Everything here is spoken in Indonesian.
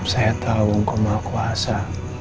saya tahu engkau maha kuasa